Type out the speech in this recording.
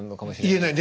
言えない。